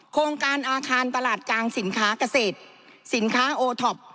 โครงการอาคารตลาดกลางสินค้าเกษตรสินค้าโอท็อป